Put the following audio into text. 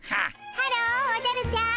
ハローおじゃるちゃん。